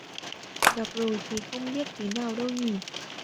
Gặp rồi thì không biết thế nào đâu nhỉ